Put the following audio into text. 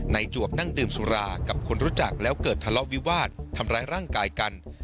จวบนั่งดื่มสุรากับคนรู้จักแล้วเกิดทะเลาะวิวาสทำร้ายร่างกายกัน